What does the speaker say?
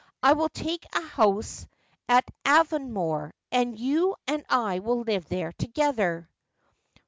I will take a house at Avon more, and you and I will live there together.'